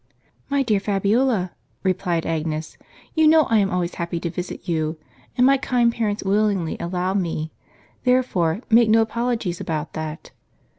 " My dear Fabiola," replied Agnes, "you know I am always happy to visit you, and my kind parents willingly allow me ; therefore, make no apologies about that."